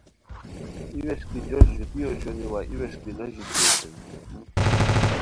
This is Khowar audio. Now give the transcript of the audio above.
ای ویݰکی جوش ژوتی اوشونی َوا ای ویݰکی نو ژوتی اوشونی